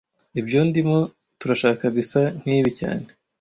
Ibyo ndimo turashaka bisa nkibi cyane